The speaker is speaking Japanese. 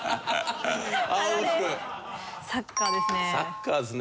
サッカーですね。